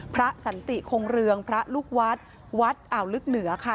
สันติคงเรืองพระลูกวัดวัดอ่าวลึกเหนือค่ะ